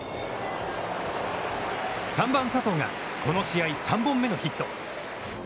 ３番佐藤がこの試合３本目のヒット。